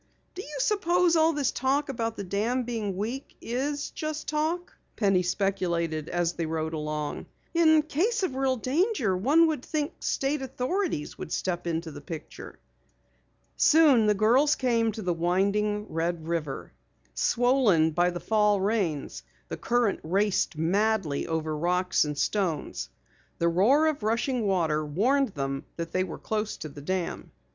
"Do you suppose all this talk about the dam being weak is just talk?" Penny speculated as they rode along. "In case of real danger one would think State authorities would step into the picture." Soon the girls came to the winding Red River. Swollen by the fall rains, the current raced madly over rocks and stones. The roar of rushing water warned them that they were close to the dam.